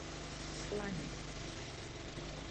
Slane.